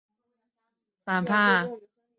其子杨玄感后来反叛隋朝。